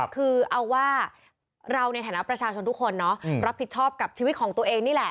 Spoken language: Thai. คือเอาว่าเราในฐานะประชาชนทุกคนเนาะรับผิดชอบกับชีวิตของตัวเองนี่แหละ